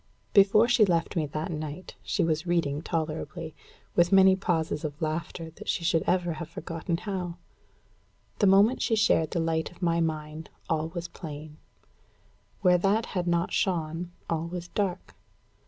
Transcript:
Before she left me that night she was reading tolerably, with many pauses of laughter that she should ever have forgotten how. The moment she shared the light of my mind, all was plain; where that had not shone, all was dark.